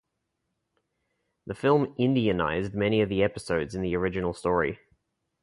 The film "Indianized" many of the episodes in the original story.